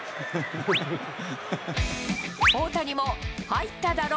大谷も、入っただろ？